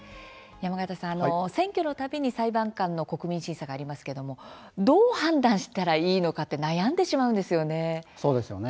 山形さん、選挙のたびに裁判官の「国民審査」がありますけどどうやって判断すればいいか悩んでしまいますね。